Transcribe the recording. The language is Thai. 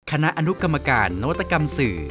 คณะอนุกรรมการนวัตกรรมสื่อ